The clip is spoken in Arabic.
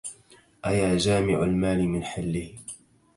أيا جامع المال من حله